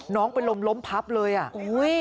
น้องเป็นลมล้มพับเลยอ่ะอุ้ย